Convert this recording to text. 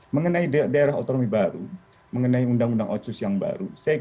mengenai daerah otonomi baru mengenai undang undang otsus yang baru